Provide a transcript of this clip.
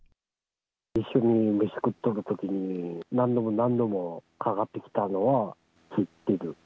一緒に飯食ってるときに、何度も何度もかかってきたのは知ってる。